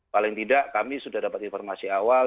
paling tidak kami sudah dapat informasi awal